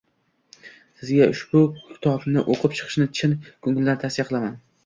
Sizga ushbu kitobni oʻqib chiqishni chin koʻngildan tavsiya qilaman.